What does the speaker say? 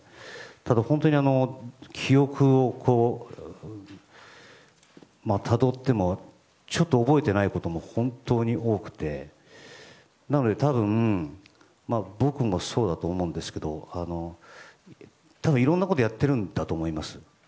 ただ、本当に記憶をたどってもちょっと覚えていないことも本当に多くてなので、多分僕もそうだと思うんですけど多分、いろんなことをやっているんだと思います。